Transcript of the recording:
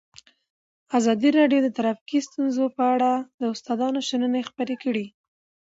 ازادي راډیو د ټرافیکي ستونزې په اړه د استادانو شننې خپرې کړي.